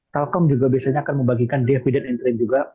telkom juga biasanya akan membagikan dividend entrint juga